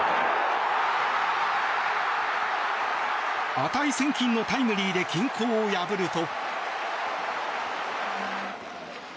値千金のタイムリーで均衡を破ると。